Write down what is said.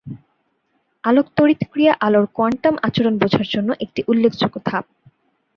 আলোক তড়িৎ ক্রিয়া আলোর কোয়ান্টাম আচরণ বোঝার জন্য একটি উল্লেখযোগ্য ধাপ।